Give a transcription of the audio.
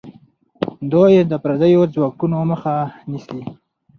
دوی د پردیو ځواکونو مخه نیسي.